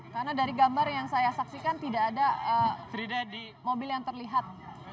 karena dari gambar yang saya saksikan tidak ada mobil yang terlihat